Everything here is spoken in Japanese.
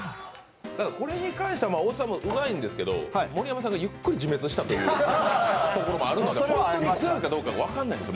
これに関しては大津さんもうまいんですけど盛山さんがゆっくり自滅したというところもあるのでどうか分からないんです。